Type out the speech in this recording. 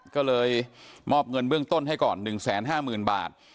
ก็เลยมอบเงินเบื้องต้นให้ก่อนหนึ่งแสนห้าหมื่นบาท